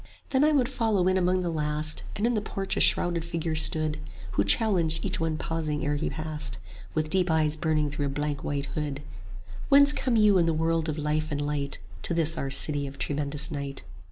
Then I would follow in among the last: And in the porch a shrouded figure stood, Who challenged each one pausing ere he passed, With deep eyes burning through a blank white hood: 10 Whence come you in the world of life and light To this our City of Tremendous Night?